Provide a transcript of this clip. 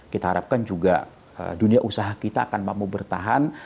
kita harapkan juga dunia usaha kita akan mampu bertahan